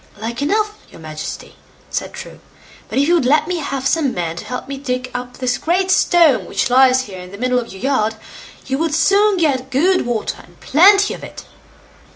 "Like enough, your Majesty", said True; "but if you would let me have some men to help me to dig up this great stone which lies here in the middle of your yard, you would soon see good water, and plenty of it."